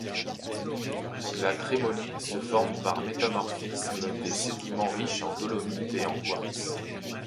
La Trémolite se forme par métamorphisme des sédiments riches en dolomite et en quartz.